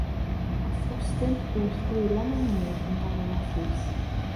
A throstynt oll gwelem y mynydd yn dawel a thlws.